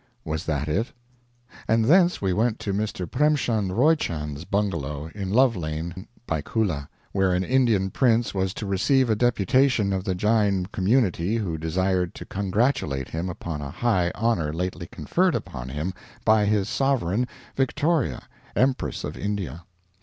Was that it? And thence we went to Mr. Premchand Roychand's bungalow, in Lovelane, Byculla, where an Indian prince was to receive a deputation of the Jain community who desired to congratulate him upon a high honor lately conferred upon him by his sovereign, Victoria, Empress of India.